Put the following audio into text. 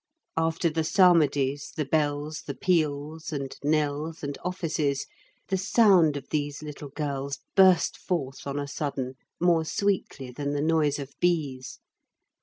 After the psalmodies, the bells, the peals, and knells and offices, the sound of these little girls burst forth on a sudden more sweetly than the noise of bees.